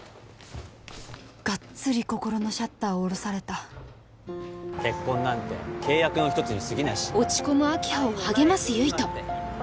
がっつり心のシャッターを下ろされた結婚なんて契約の一つにすぎないし落ち込む明葉を励ます唯斗